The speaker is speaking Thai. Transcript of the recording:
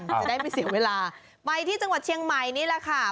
จะได้ไม่เสียเวลาไปที่จังหวัดเชียงใหม่นี่แหละค่ะ